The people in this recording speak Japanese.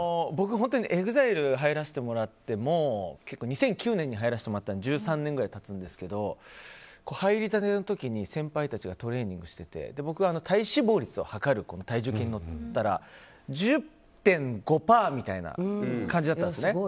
僕ＥＸＩＬＥ入らせてもらって２００９年に入ったので１３年ぐらい経つんですけど入りたてのころに先輩たちがトレーニングしていて体脂肪率を測る体重計に乗ったら１０．５％みたいな感じだったんです。